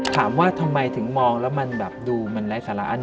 ถามว่าทำไมถึงมองแล้วมันแบบดูมันไร้สาระ